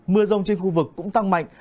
mưa rông trên khu vực cũng tăng mạnh